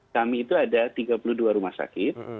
kami itu ada tiga puluh dua rumah sakit